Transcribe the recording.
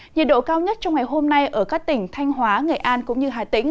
nhiệt độ cao nhất trong ngày hôm nay ở các tỉnh thanh hóa nghệ an cũng như hà tĩnh